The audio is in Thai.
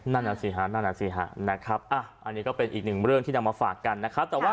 นั่นน่ะสิฮะนั่นน่ะสิฮะนะครับอันนี้ก็เป็นอีกหนึ่งเรื่องที่นำมาฝากกันนะครับ